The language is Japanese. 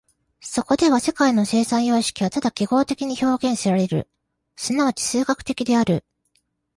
そこでは世界の生産様式はただ記号的に表現せられる、即ち数学的である。